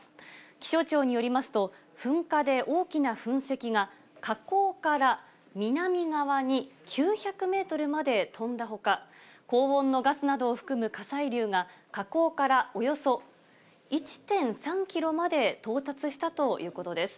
気象庁によりますと、噴火で大きな噴石が、火口から南側に９００メートルまで飛んだほか、高温のガスなどを含む火砕流が火口からおよそ１．３キロまで到達したということです。